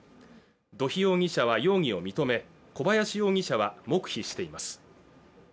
土肥容疑者は容疑を認め小林容疑者は黙秘しています